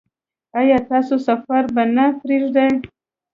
ایا ستاسو سفر به نه پیلیږي؟